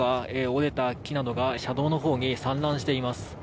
折れた木などが車道のほうに散乱しています。